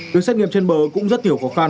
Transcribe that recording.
được xét nghiệm trên bờ cũng rất hiểu khó khăn